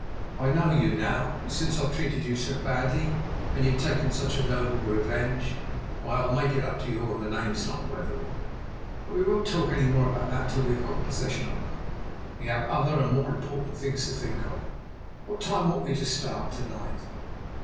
I know you now; and since I've treated you so badly, and you've taken such a noble revenge, why, I'll make it up to you, or my name's not Wetherell. But we won't talk any more about that till we have got possession of her; we have other and more important things to think of. What time ought we to start to night?"